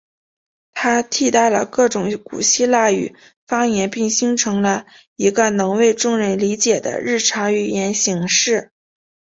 它替代了各种古希腊语方言并形成了一个能为众人理解的日常语言形式。